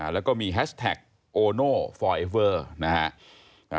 แล้วก็มีแฮชแท็กโอโน่ฟอยเอเวอร์นะฮะ